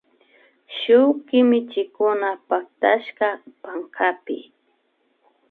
Shuk kimichikuna pactashka pankapi